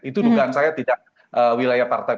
itu dugaan saya tidak wilayah partai